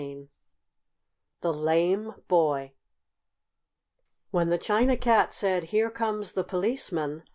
CHAPTER V THE LAME BOY When the China Cat said: "Here comes the Policeman!"